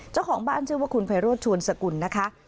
เจ้าของบ้านชื่อว่าคุณไพโรธชวนสกุลนะคะ